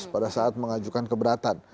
pada saat mengajukan keberatan